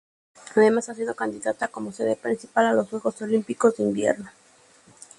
Además, ha sido candidata como sede principal a los Juegos Olímpicos de Invierno.